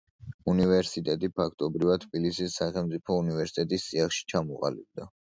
უნივერსიტეტი ფაქტობრივად თბილისის სახელმწიფო უნივერსიტეტის წიაღში ჩამოყალიბდა.